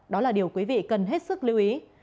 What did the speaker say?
đó là điều quý vị cần hết sức lưu ý